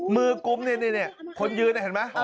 มือกลุ่มนี่คนยืนเห็นไหม